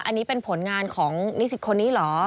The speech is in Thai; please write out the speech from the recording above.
อันนี้เป็นผลงานของนิสิตคนนี้เหรอ